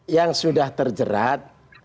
yang sudah terjerat